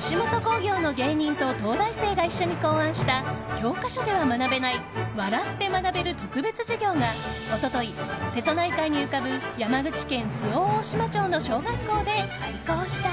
吉本興業の芸人と東大生が一緒に考案した教科書では学べない笑って学べる特別授業が一昨日、瀬戸内海に浮かぶ山口県周防大島町の小学校で開講した。